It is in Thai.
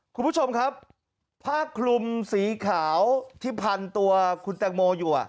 คุณผู้ชมครับผ้าคลุมสีขาวที่พันตัวคุณแตงโมอยู่